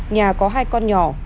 nhà có hai con nhỏ